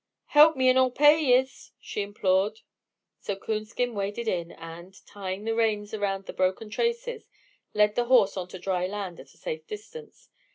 "Help me and Oi'll pay yez!" she implored. So Coonskin waded in and, tying the reins around the broken traces, led the horse on to dry land at a safe distance.